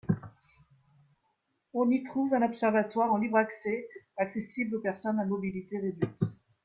On y trouve un observatoire en libre accès, accessible aux personnes à mobilité réduite.